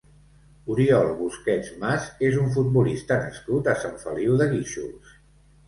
Oriol Busquets Mas és un futbolista nascut a Sant Feliu de Guíxols.